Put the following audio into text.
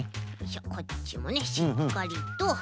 こっちもねしっかりと。